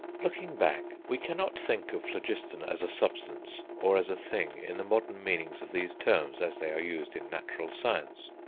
Looking back, we cannot think of phlogiston as a substance, or as a thing, in the modern meanings of these terms as they are used in natural science.